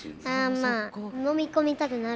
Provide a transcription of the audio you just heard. あまあ飲み込みたくなる。